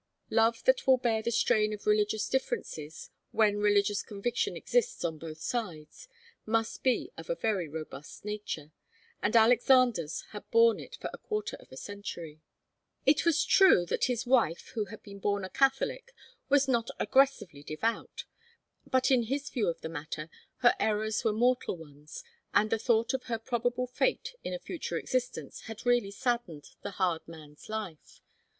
Love that will bear the strain of religious differences, when religious conviction exists on both sides, must be of a very robust nature, and Alexander's had borne it for a quarter of a century. It was true that his wife, who had been born a Catholic, was not aggressively devout; but in his view of the matter, her errors were mortal ones, and the thought of her probable fate in a future existence had really saddened the hard man's life.